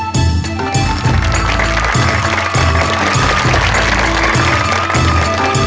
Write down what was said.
โชว์สี่ภาคจากอัลคาซ่าครับ